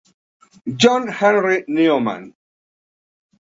John Henry Newman.